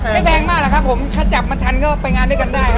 ไม่แพงหรอกครับผมขจับมาทันก็ไปงานไม่กันได้